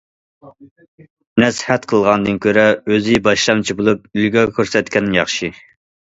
نەسىھەت قىلغاندىن كۆرە، ئۆزى باشلامچى بولۇپ ئۈلگە كۆرسەتكەن ياخشى.